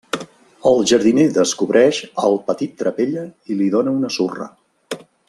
El jardiner descobreix al petit trapella i li dóna una surra.